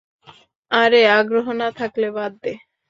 আরে, আগ্রহ না থাকলে বাদ দে।